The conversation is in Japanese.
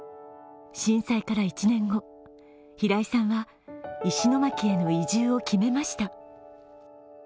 震災から１年後、平井さんは石巻への移住を決めました。